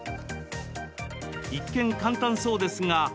一見、簡単そうですが。